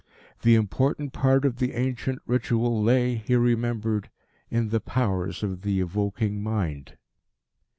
The important part of the ancient ritual lay, he remembered, in the powers of the evoking mind.